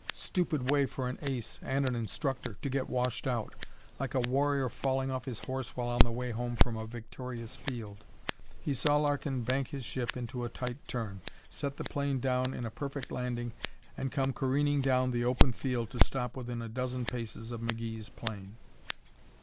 Stupid way for an ace and an instructor to get washed out. Like a Warrior falling off his horse while on the way home from a victorious field. He saw Larkin bank his ship into a tight turn, set the plane down in a perfect landing and come careening down the open field to stop within a dozen paces of McGee's plane.